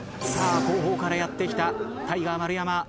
さあ後方からやって来たタイガー丸山。